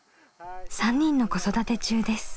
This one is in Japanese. ３人の子育て中です。